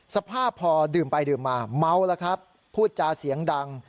สภาพพอดื่มไปดื่มมาเมาแล้วครับพูดจาเสียงดัง